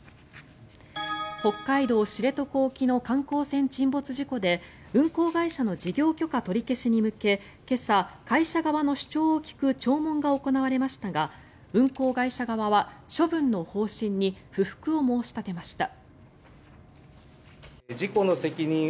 北海道・知床沖の観光船沈没事故で運航会社の事業許可取り消しに向け今朝、会社側の主張を聞く聴聞が行われましたが運航会社側は処分の方針に不服を申し立てました。